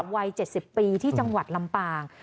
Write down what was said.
วัย๗๐ปีที่จังหวัดลำปาง